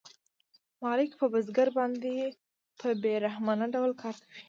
مالک په بزګر باندې په بې رحمانه ډول کار کوي